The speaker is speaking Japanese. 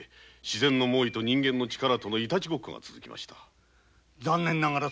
自然の猛威と人間の力とイタチごっこが続きました。